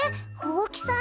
大きさ！？